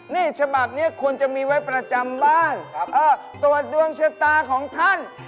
นี่ฉบับนี้ควรจะมีไว้ประจำบ้านตรวจดวงชะตาของท่าน